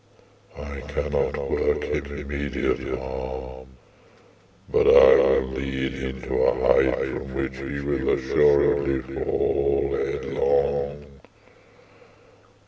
I cannot work him immediate harm; but I will lead him to a height from which he will assuredly fall headlong.